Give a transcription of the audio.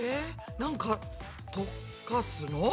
なんかとかすの？